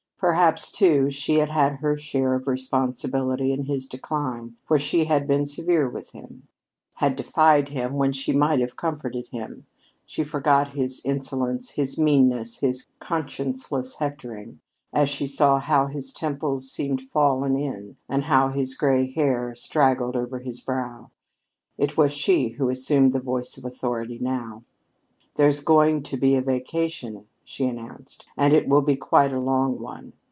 Perhaps, too, she had had her share of responsibility in his decline, for she had been severe with him; had defied him when she might have comforted him. She forgot his insolence, his meanness, his conscienceless hectoring, as she saw how his temples seemed fallen in and how his gray hair straggled over his brow. It was she who assumed the voice of authority now. "There's going to be a vacation," she announced, "and it will be quite a long one.